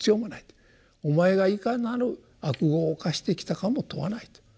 お前がいかなる悪業を犯してきたかも問わないと。